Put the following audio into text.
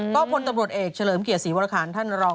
ก็พลตำรวจเอกเฉลิมเกียรติศรีวรคารท่านรอง